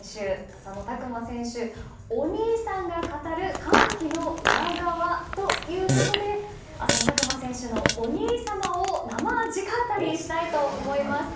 浅野拓磨選手のお兄さんが語る歓喜の裏側ということで浅野拓磨選手のお兄様を生直アタリしたいと思います。